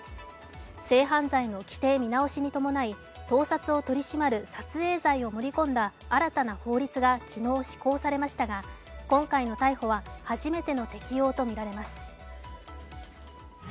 性犯罪の規定見直しに伴い盗撮を取り締まる撮影罪を盛り込んだ新たな法律が昨日施行されましたが今回の逮捕は初めての適用とみられます。